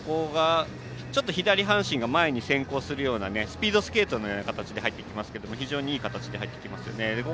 左半身が前に先行するようなスピードスケートのような形で入ってきますけど非常にいい形で入ってきていますよね。